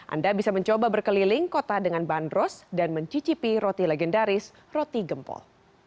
anda bisa mencoba berkeliling kota dengan bandros dan mencicipi roti legendaris roti gempol